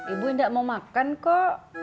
ibu tidak mau makan kok